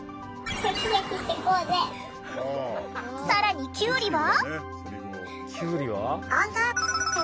更にキュウリは。